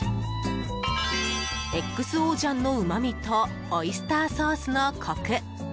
ＸＯ醤のうまみとオイスターソースのコク。